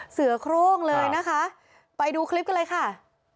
เสือโครงเลยนะคะไปดูคลิปกันเลยค่ะ